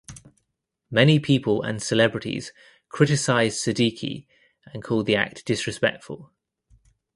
Many people and celebrities criticized Siddiqui and called the act disrespectful.